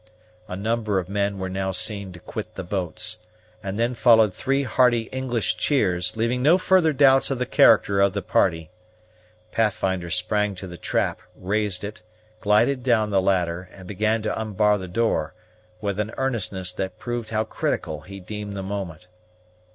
A number of men were now seen to quit the boats, and then followed three hearty English cheers, leaving no further doubts of the character of the party. Pathfinder sprang to the trap, raised it, glided down the ladder, and began to unbar the door, with an earnestness that proved how critical he deemed the moment.